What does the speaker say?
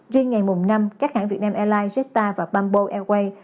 riêng ngày mùng năm các hãng việt nam airlines jetta và bamboo airways